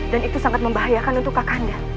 dan itu sangat membahayakan untuk kakanda